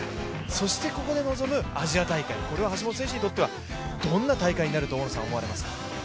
そして、ここで臨むアジア大会、これは橋本選手にとってはどんな大会になると思いますか？